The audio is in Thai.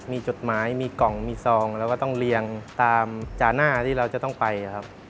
มีจดหมายมีกล่องมีซองแล้วก็ต้องเรียงตามจาน่าที่เราจะต้องไปครับ